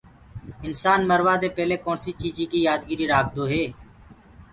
انسآن مروآدي پيلي ڪوڻسي چيجي ڪي يآد گري رآکدوئي